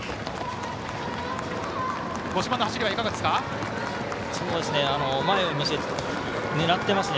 五島の走りは、いかがですか？